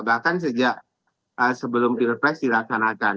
bahkan sejak sebelum pilpres dilaksanakan